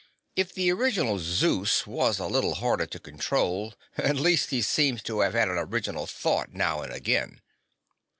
If the original Zeus was a little harder to control, at least he seems to have had an original thought now and again."